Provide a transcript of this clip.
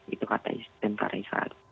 itu kata istri dan para israel